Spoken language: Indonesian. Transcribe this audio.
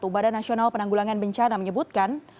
badan nasional penanggulangan bencana menyebutkan